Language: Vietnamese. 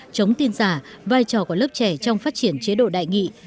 chống tin giả vai trò của lớp trẻ trong phát triển chế độ đại nghị